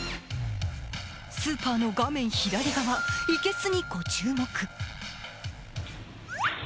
スーパーの画面左側、生けすにご注目。